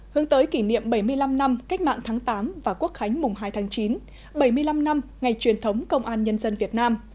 hướng tới kỷ niệm bảy mươi năm năm cách mạng tháng tám và quốc khánh mùng hai tháng chín bảy mươi năm năm ngày truyền thống công an nhân dân việt nam